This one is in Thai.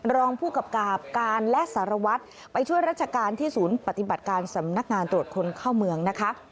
รองผู้กับกาบการและสารวัตรไปช่วยราชการที่ศูนย์ปฏิบัติการสำนักงานตรวจคนเข้าเมืองนะคะ